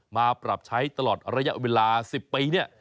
มาปรับใช้ตลอดระยะเวลา๑๐ปีเนี่ย